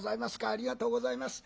ありがとうございます。